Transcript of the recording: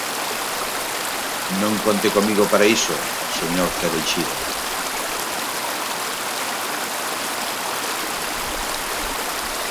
Non conte comigo para iso, señor Cereixido.